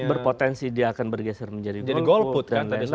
itu berpotensi dia akan bergeser menjadi golput